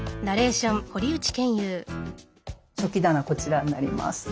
食器棚こちらになります。